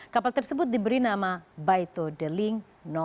kapal tersebut diberi nama baito deling satu